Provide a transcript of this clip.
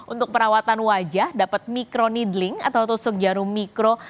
untuk perawatan wajah dapat mikronidling atau tusuk jarum mikro